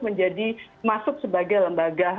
menjadi masuk sebagai lembaga